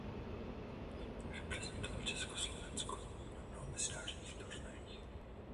Reprezentoval Československo na mnoha mezinárodních turnajích.